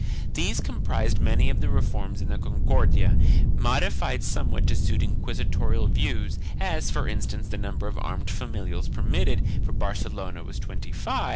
These comprised many of the reforms in the Concordia, modified somewhat to suit inquisitorial views, as, for instance, the number of armed familiars permitted for Barcelona was twenty five, with ten each for other cities.